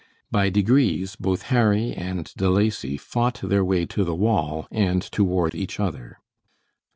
By degrees both Harry and De Lacy fought their way to the wall, and toward each other.